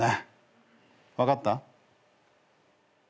分かった？